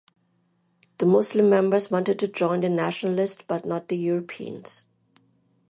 The Muslim members wanted to join the nationalists, but not the Europeans.